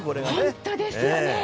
本当ですよね。